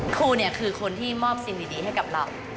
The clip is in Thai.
ครูเนี่ยคือคนที่มอบสิ่งดีให้กับเรา